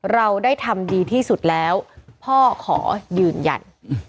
เราได้ทำดีที่สุดแล้วพ่อขอยืนยัน